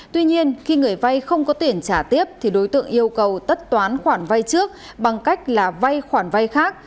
tuy nhiên khi người vai không có tiền trả tiếp thì đối tượng yêu cầu tất toán khoản vai trước bằng cách là vai khoản vai khác